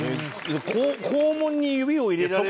肛門に指を入れられる。